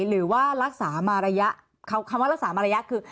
หรือว่ารักษามาระยะคำว่ารักษามารยะคือ